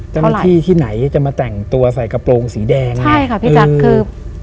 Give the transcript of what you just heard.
ที่ไหนจะมาแต่งตัวใส่กระโปรงสีแดงใช่ค่ะพี่แจ๊คคือ